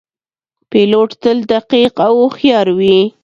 پیلوټ تل دقیق او هوښیار وي.